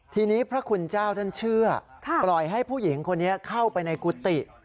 ทีนี้พระคุณเจ้าท่านเชื่อปล่อยให้ผู้หญิงคนนี้เข้าไปในกุฏิ